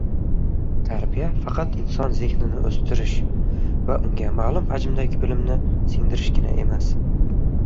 Tarbiya — faqat insonzehni-ni o‘stirish va unga ma’lum hajmdagi bilimni singdirishgina emas